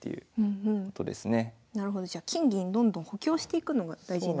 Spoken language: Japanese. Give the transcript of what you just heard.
なるほどじゃあ金銀どんどん補強していくのが大事なんですね。